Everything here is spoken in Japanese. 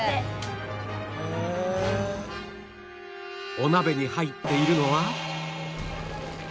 お鍋に入っているのは